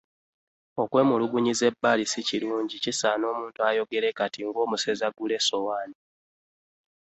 Okwemulugunyiza ebbali si kirungi kisaana omuntu ayogere kaati ng'omusezi agula essowaani.